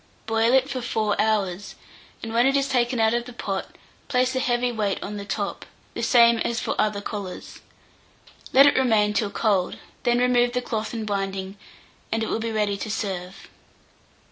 Boil it for 4 hours, and when it is taken out of the pot, place a heavy weight on the top, the same as for other collars. Let it remain till cold; then remove the cloth and binding, and it will be ready to serve.